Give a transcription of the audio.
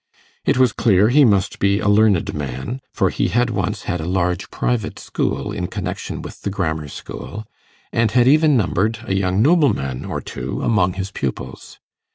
It was clear he must be a learned man, for he had once had a large private school in connection with the grammar school, and had even numbered a young nobleman or two among his pupils.